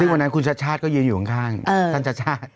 ซึ่งวันนั้นคุณชาติชาติก็ยืนอยู่ข้างท่านชาติชาติ